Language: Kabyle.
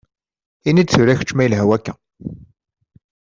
Ini-d tura kečč ma yelha wakka.